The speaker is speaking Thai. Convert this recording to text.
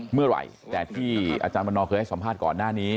เมื่อไหร่แต่ที่อาจารย์วันนอเคยให้สัมภาษณ์ก่อนหน้านี้